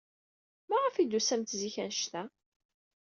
Maɣef ay d-tusamt zik anect-a?